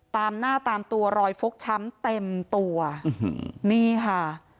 ตามหน้าตามตัวรอยฟกช้ำเต็มตัวนี่ค่ะ